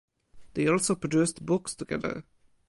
They also produced books together.